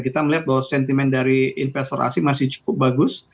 kita melihat bahwa sentimen dari investor asing masih cukup bagus